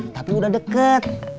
tapi udah deket